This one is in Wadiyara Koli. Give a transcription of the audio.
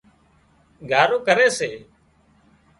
ڳارو ڪري سي